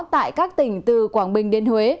tại các tỉnh từ quảng bình đến huế